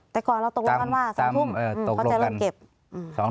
แต่ก่อนเราตกลงกันว่า๒ทุ่มเขาจะเริ่มเก็บ